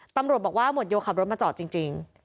ตำรวจบอกว่าหมวดโยขับรถมาจอดจริง